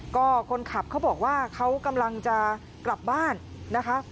ก็คนขับเขาบอกว่าเขากำลังจะกลับบ้านนะคะ